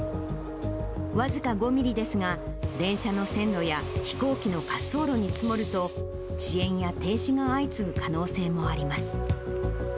僅か５ミリですが、電車の線路や飛行機の滑走路に積もると、遅延や停止が相次ぐ可能性もあります。